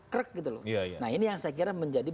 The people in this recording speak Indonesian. krek gitu loh nah ini yang saya kira menjadi